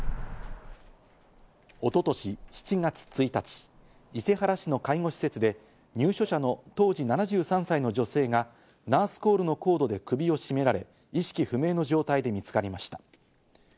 一昨年７月１日、伊勢原市の介護施設で入所者の当時７３歳の女性がナースコールのコードで首を絞められ、意識不明の状態で見つかりました。